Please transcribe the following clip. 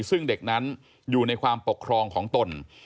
ซึ่งเด็กนั้นอยู่ในความปกครองของตน